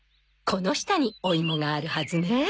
この下にお芋があるはずね。